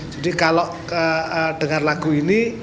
jadi kalau dengar lagu ini